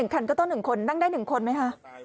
๑คันก็ต้อง๑คนได้ได้๑คนไหมฮะ